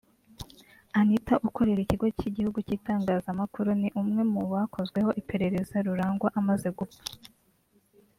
Anita ukorera Ikigo cy’Igihugu cy’Itangazamakuru ni umwe mu bakozweho iperereza Rurangwa amaze gupfa